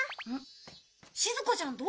しずかちゃんどうしたの？